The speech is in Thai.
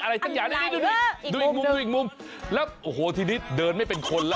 อะไรตั้งอย่างนี้ดูดูอีกมุมแล้วโอ้โหทีนี้เดินไม่เป็นคนล่ะ